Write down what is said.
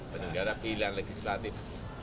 penyelenggara pilihan legislatif